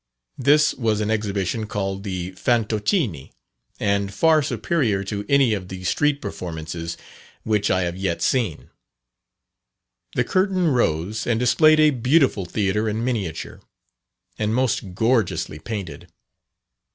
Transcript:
This was an exhibition called the Fantoccini, and far superior to any of the street performances which I have yet seen. The curtain rose and displayed a beautiful theatre in miniature, and most gorgeously painted.